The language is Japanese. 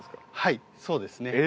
はいそうですね。